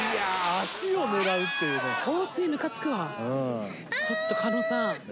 足を狙うっていうのは放水むかつくわちょっと狩野さん